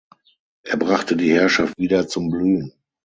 Er brachte die Herrschaft wieder zum Blühen.